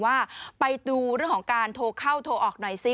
ว่าไปดูเรื่องของการโทรเข้าโทรออกหน่อยซิ